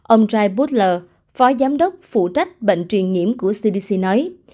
ông jai butler phó giám đốc phụ trách bệnh truyền nhiễm của cdc nói